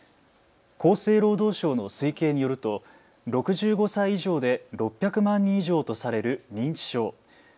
厚生労働省の推計によると６５歳以上で６００万人以上とされる認知症。